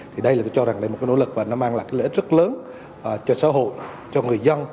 thì đây là tôi cho rằng là một cái nỗ lực mà nó mang lại lợi ích rất lớn cho xã hội cho người dân